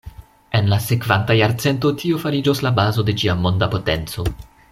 En la sekvanta jarcento, tio fariĝos la bazo de ĝia monda potenco.